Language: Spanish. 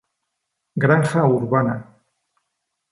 Granja urbana